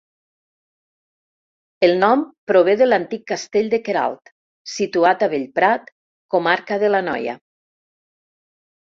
El nom prové de l'antic Castell de Queralt, situat a Bellprat, comarca de l'Anoia.